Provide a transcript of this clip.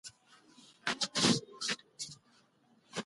هغه ماشوم چې اسهال لري باید ډاکټر ته وښودل شي.